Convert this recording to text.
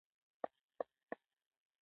ملګری د دردونو مرهم وي